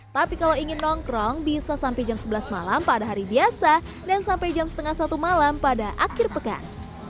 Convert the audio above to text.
tapi kalau ingin nongkrong bisa sampai jam sebelas malam pada hari biasa dan sampai jam setengah satu malam pada akhir pekan